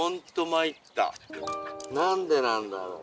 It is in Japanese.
何でなんだろう。